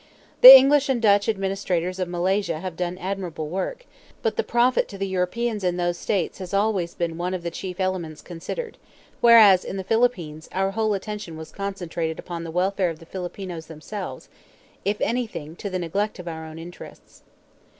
The English and Dutch administrators of Malaysia have done admirable work; but the profit to the Europeans in those States has always been one of the chief elements considered; whereas in the Philippines our whole attention was concentrated upon the welfare of the Filipinos themselves, if anything to the neglect of our own interests.